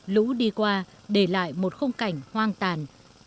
lũ đi qua để lại một khung cảnh hoang tàn